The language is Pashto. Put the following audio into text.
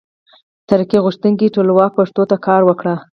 ترقي غوښتونکي ټولواک پښتو ته کار وکړ.